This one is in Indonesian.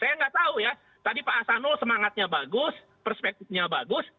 saya nggak tahu ya tadi pak hasanul semangatnya bagus perspektifnya bagus